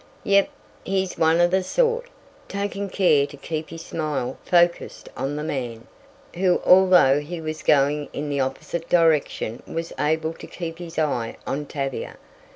"Yep, he's one of the sort," taking care to keep his smile focussed on the man, who although he was going in the opposite direction was able to keep his eye on Tavia.